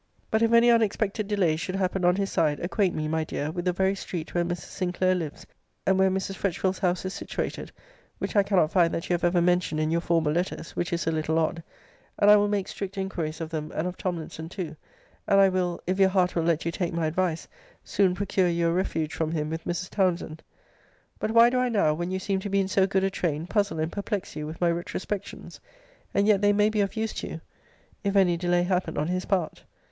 [But if any unexpected delays should happen on his side, acquaint me, my dear, with the very street where Mrs. Sinclair lives; and where Mrs. Fretchville's house is situated (which I cannot find that you have ever mentioned in your former letters which is a little odd); and I will make strict inquiries of them, and of Tomlinson too; and I will (if your heart will let you take my advice) soon procure you a refuge from him with Mrs. Townsend.] [But why do I now, when you seem to be in so good a train, puzzle and perplex you with my retrospections? And yet they may be of use to you, if any delay happen on his part.